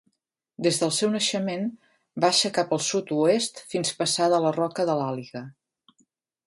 Des del seu naixement baixa cap al sud-oest fins passada la Roca de l'Àliga.